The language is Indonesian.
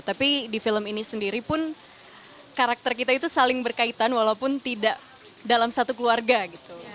tapi di film ini sendiri pun karakter kita itu saling berkaitan walaupun tidak dalam satu keluarga gitu